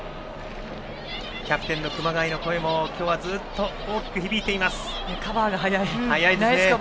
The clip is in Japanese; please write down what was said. キャプテンの熊谷の声も今日はずっと大きく響いています。